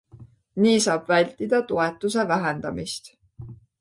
Nii saab vältida toetuse vähendamist.